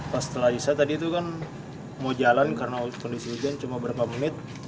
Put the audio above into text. pas setelah isa tadi itu kan mau jalan karena kondisi hujan cuma berapa menit